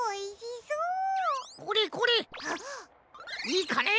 いいかね？